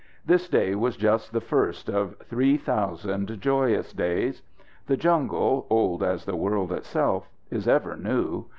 This day was just the first of three thousand joyous days. The jungle, old as the world itself, is ever new.